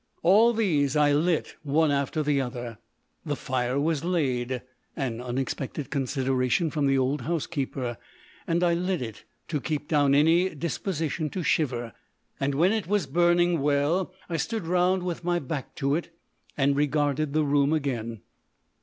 All these I lit one after the other. The fire was laid, an unexpected consideration from the old housekeeper, and I lit it, to keep down any disposition to shiver, and when it was burning well, I stood round with my back to it and regarded the room again.